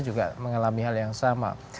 juga mengalami hal yang sama